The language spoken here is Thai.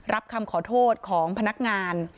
รับคำขอโทษของพนักงาน